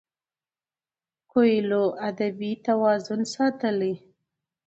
کویلیو ادبي توازن ساتلی دی.